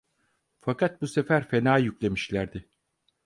Fakat bu sefer fena yüklemişlerdi.